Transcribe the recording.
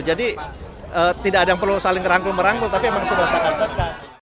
jadi tidak ada yang perlu saling ngerangkul merangkul tapi memang sudah sangat dekat